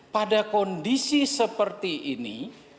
pada kondisi seperti ini